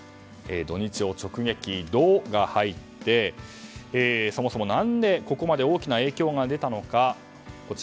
土日を直撃「ド」が入ってそもそも何でここまで大きな影響が出たのか。